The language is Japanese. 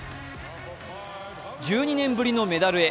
１２年ぶりのメダルへ。